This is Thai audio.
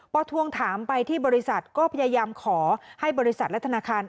พอทวงถามไปที่บริษัทก็พยายามขอให้บริษัทและธนาคาร